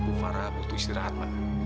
bu farah butuh istirahat pak